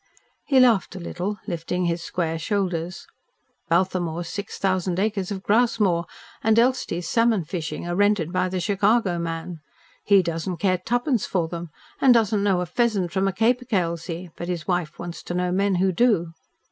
He laughed a little, lifting his square shoulders. "Balthamor's six thousand acres of grouse moor and Elsty's salmon fishing are rented by the Chicago man. He doesn't care twopence for them, and does not know a pheasant from a caper cailzie, but his wife wants to know men who do."